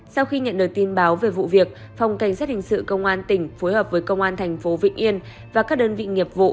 sau khi nhận được tin báo về vụ việc phòng cảnh sát hình sự công an tỉnh phối hợp với công an thành phố vịnh yên và các đơn vị nghiệp vụ